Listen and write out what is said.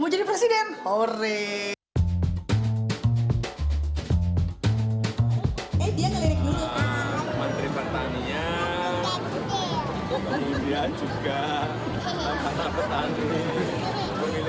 menteri pertanian pemilihan juga kata kata pertanian